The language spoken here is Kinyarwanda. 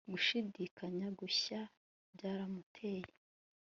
Gushidikanya gushya byaramuteye